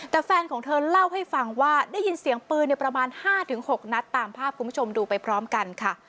แต่แฟนของเธอเล่าให้ฟังว่าได้ยินเสียงปืนประมาณ๕๖นัดตามภาพคุณผู้ชมดูไปพร้อมกันค่ะ